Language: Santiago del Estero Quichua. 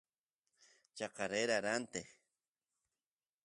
chaqa rera ranteq